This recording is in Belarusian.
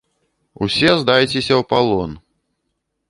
Усе здайцеся ў палон.